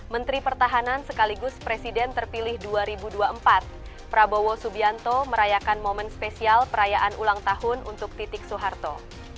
menteri pertahanan sekaligus presiden terpilih dua ribu dua puluh empat prabowo subianto merayakan momen spesial perayaan ulang tahun untuk titik soeharto